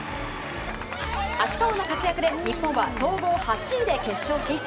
芦川の活躍で日本は総合８位で決勝進出。